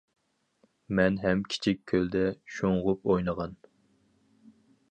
مەن ھەم كىچىك كۆلدە، شۇڭغۇپ ئوينىغان.